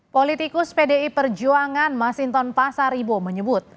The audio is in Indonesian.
politikus pdi perjuangan masinton pasar ibo menyebut